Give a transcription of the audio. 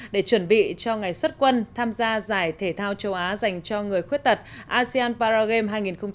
để chuẩn bị cho ngày xuất quân tham gia giải thể thao châu á dành cho người khuyết tật asean paragame hai nghìn một mươi chín